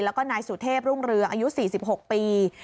แล้วก็นายสุเทพรุ่งเรืองอายุ๔๖ปี